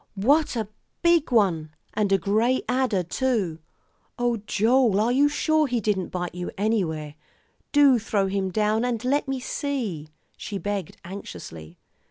What a big one, and a gray adder, too. Oh, Joel, are you sure he didn't bite you anywhere? Do throw him down and let me see," she begged anxiously.